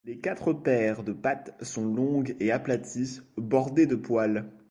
Les quatre paires de pattes sont longues et aplaties, bordées de poils.